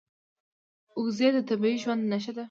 وزې د طبیعي ژوند نښه ده